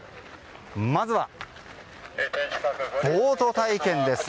まずはボート体験です。